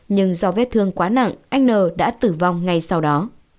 nhưng do vết thương quá nặng anh n đã tử vong ngay sau đó